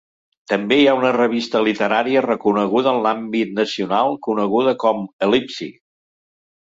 També hi ha una revista literària reconeguda en l'àmbit nacional coneguda com a "El·lipsi".